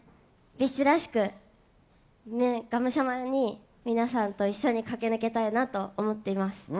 ＢｉＳＨらしく、がむしゃらに皆さんと一緒に駆け抜けたいなと思っています。